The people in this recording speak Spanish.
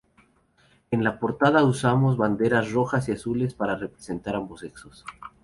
En la portada usamos banderas rojas y azules para representar ambos sexos".